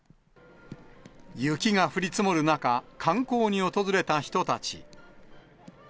雪が降り積もる中、観光に訪れた人たち。